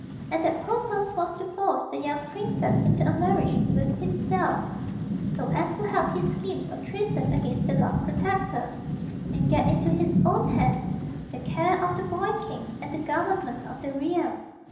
And that purpose was to force the young princess into a marriage with himself, so as to help his schemes of treason against the Lord Protector, and get into his own hands the care of the boy king and the government of the realm.